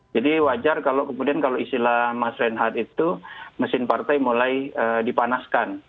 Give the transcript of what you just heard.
jadi wajar kalau kemudian kalau istilah mas renhat itu mesin partai mulai dipanaskan